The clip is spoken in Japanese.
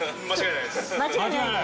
間違いないね？